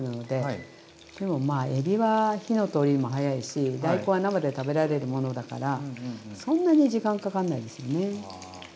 でもえびは火の通りも早いし大根は生で食べられるものだからそんなに時間かかんないですよね。